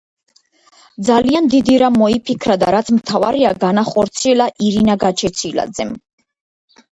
ძალიან დიდი რამ მოიფიქრა და რაც მთავარია, განახორციელა ირინა გაჩეჩილაძემ.